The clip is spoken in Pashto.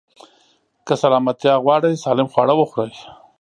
که سلامتيا غواړئ، سالم خواړه وخورئ.